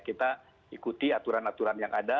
kita ikuti aturan aturan yang ada